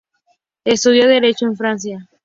Estudió Derecho en Francia.